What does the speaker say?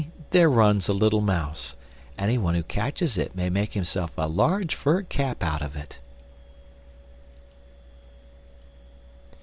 there runs a little mouse; anyone who catches it may make himself a large fur cap out of it.